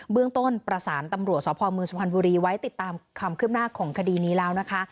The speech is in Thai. เรื่องต้นประสานตำรวจสพมสุพรรณบุรีไว้ติดตามความคืบหน้าของคดีนี้แล้วนะคะ